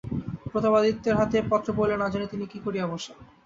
প্রতাপাদিত্যের হাতে এ পত্র পড়িলে না জানি তিনি কী করিয়া বসেন।